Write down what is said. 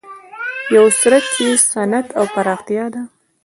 یو څرک یې صنعت او پراختیا ده.